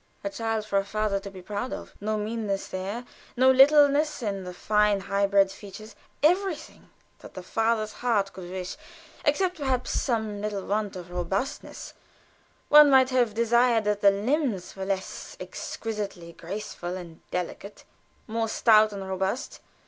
A child for a father to be proud of. No meanness there; no littleness in the fine, high bred features; everything that the father's heart could wish, except perhaps some little want of robustness; one might have desired that the limbs were less exquisitely graceful and delicate more stout and robust.